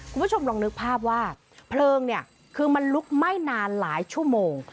คุณผู้ชมลองนึกภาพว่าเพลิงเนี่ยคือมันลุกไหม้นานหลายชั่วโมง